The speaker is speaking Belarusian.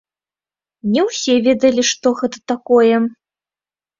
Не ўсе ведалі, што гэта такое.